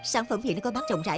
sản phẩm hiện đang có bán rộng rãi